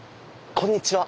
こんにちは。